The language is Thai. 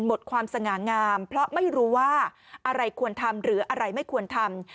หมดความสง่างามเพราะไม่รู้ว่าอะไรควรทำหรืออะไรไม่ควรทำ